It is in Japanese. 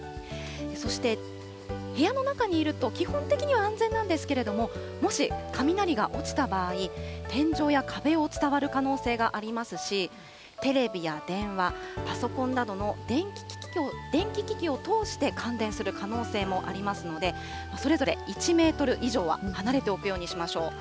そして部屋の中にいると、基本的には安全なんですけれども、もし雷が落ちた場合、天井や壁を伝わる可能性がありますし、テレビや電話、パソコンなどの電気機器を通して感電する可能性もありますので、それぞれ１メートル以上は離れておくようにしましょう。